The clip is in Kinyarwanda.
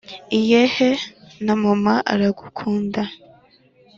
iyehee na mama aragukunda